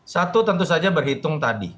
satu tentu saja berhitung tadi